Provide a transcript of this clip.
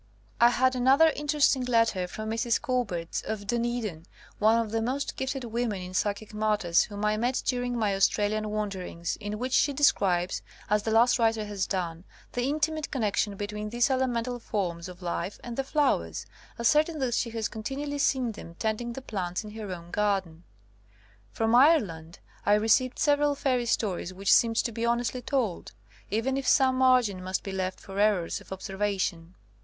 I had another interesting letter from Mrs. Koberts, of Dunedin, one of the most gifted women in psychic matters whom I met dur ing my Australian wanderings, in which she describes, as the last writer has done, the intimate connection between these elemental forms of life and the flowers, asserting that she has continually seen them tending the plants in her own garden. From Ireland I received several fairy stories which seemed to be honestly told, even if some margin must be left for errors of ob servation.